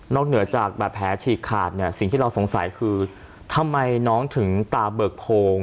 เหนือจากแบบแผลฉีกขาดเนี่ยสิ่งที่เราสงสัยคือทำไมน้องถึงตาเบิกโพง